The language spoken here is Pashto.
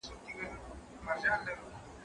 زه مخکي کتابتوننۍ سره وخت تېروولی وو،